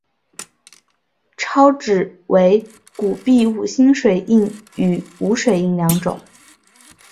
钞纸为古币五星水印与无水印两种。